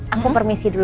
aku permisi dulu